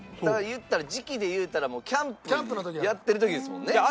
だから言ったら時期で言うたらもうキャンプやってる時ですもんね。